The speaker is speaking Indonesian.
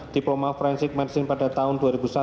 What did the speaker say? diploma forensik marching pada tahun dua ribu satu